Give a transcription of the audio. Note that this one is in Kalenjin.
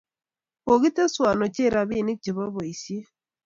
Kigiteswon ochei robinik chebo boisiet